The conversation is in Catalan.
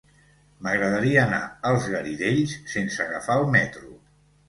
M'agradaria anar als Garidells sense agafar el metro.